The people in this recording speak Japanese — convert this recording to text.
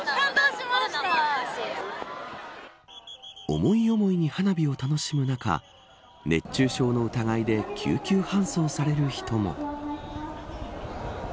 思い思いに花火を楽しむ中熱中症の疑いで救急搬送される人も。